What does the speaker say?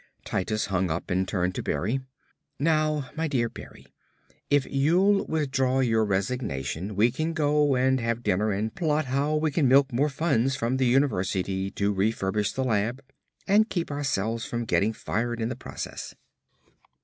Titus hung up and turned to Berry. "Now, my dear Berry, if you'll withdraw your resignation we can go and have dinner and plot how we can milk more funds from the university to refurbish the lab and keep ourselves from getting fired in the process."